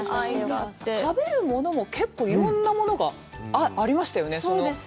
食べるものも結構いろんなものがありましたよね。